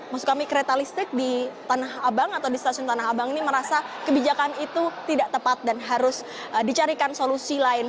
maksud kami kereta listrik di tanah abang atau di stasiun tanah abang ini merasa kebijakan itu tidak tepat dan harus dicarikan solusi lain